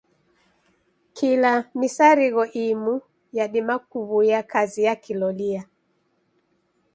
Kila misarigho imu yadima kuw'uya kazi ya kilolia.